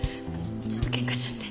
ちょっと喧嘩しちゃって。